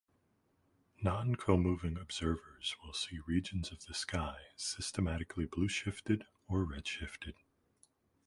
Non-comoving observers will see regions of the sky systematically blue-shifted or red-shifted.